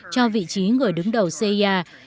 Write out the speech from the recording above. cho vị trí người đứng đầu cia